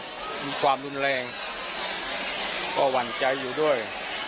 มีความรุนแรงก็หวั่นใจอยู่ด้วย